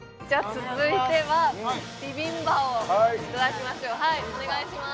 続いてはビビンパをいただきましょうはいお願いします